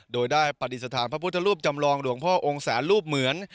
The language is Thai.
โดยได้ปฏิสถานพระพุทธรูปจำลองหลวงพ่อองค์แสนรูปเหมือน